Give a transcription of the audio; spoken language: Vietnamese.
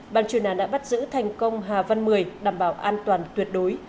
ban chuyển án đã bắt giữ thành công hà văn một mươi đảm bảo an toàn tuyệt đối